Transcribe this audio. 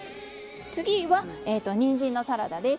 次はにんじんのサラダです。